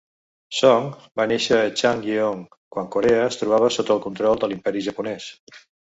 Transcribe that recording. Song va néixer a Changnyeong quan Corea es trobava sota el control de l'Imperi Japonès.